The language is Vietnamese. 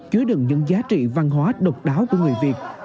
chứa đựng những giá trị văn hóa độc đáo của người việt